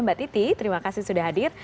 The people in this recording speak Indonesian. mbak titi terima kasih sudah hadir